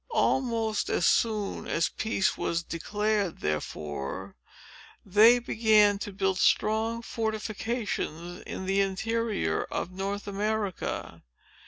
Almost as soon as peace was declared, therefore, they began to build strong fortifications in the interior of North America.